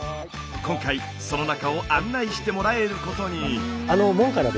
今回その中を案内してもらえることに。